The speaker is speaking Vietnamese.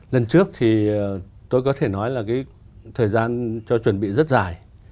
lần trước thì tôi có thể nói là cái thời gian cho chuẩn bị rất dài